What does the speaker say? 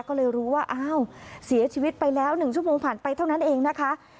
ก็เลยรู้ว่าอ้าวเสียชีวิตไปแล้ว๑ชั่วโมงผ่านไปเท่านั้นเองนะคะ